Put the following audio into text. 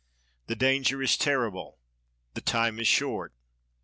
The danger is terrible. The time is short.